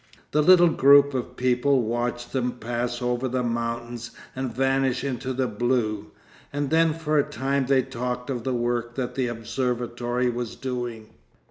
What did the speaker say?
The little group of people watched them pass over the mountains and vanish into the blue, and then for a time they talked of the work that the observatory was doing.